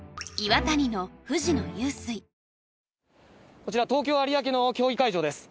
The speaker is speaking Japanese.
こちら、東京・有明の競技会場です。